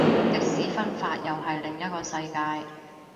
的士分法又係另一個世界